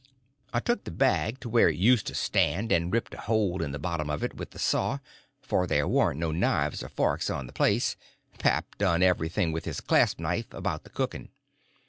I took the bag to where it used to stand, and ripped a hole in the bottom of it with the saw, for there warn't no knives and forks on the place—pap done everything with his clasp knife about the cooking.